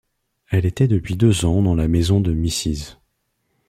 Elle était depuis deux ans dans la maison de Mrs.